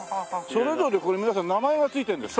それぞれこれ皆さん名前がついてるんですか？